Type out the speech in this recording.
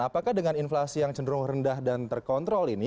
apakah dengan inflasi yang cenderung rendah dan terkontrol ini